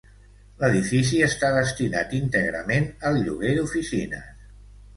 L'edifici està destinat íntegrament al lloguer d'oficines.